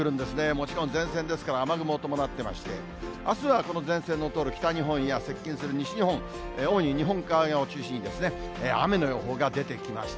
もちろん、前線ですから、雨雲を伴ってまして、あすはこの前線の通る北日本に接近する西日本、主に日本海側を中心に、雨の予報が出てきました。